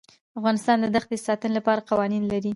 افغانستان د دښتې د ساتنې لپاره قوانین لري.